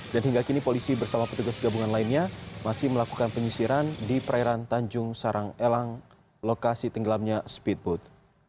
dan hingga kini polisi bersama petugas gabungan lainnya masih melakukan penyisiran di perairan tanjung sarang elang lokasi tenggelamnya speedboat